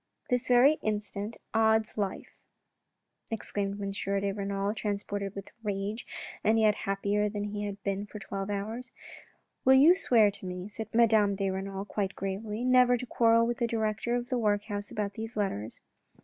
" This very instant, odds life,' ' exclaimed M. de Renal, transported with rage and yet happier than he had been for twelve hours. "Will you swear to me," said Madame de Renal quite gravely, " never to quarrel with the director of the workhouse about these letters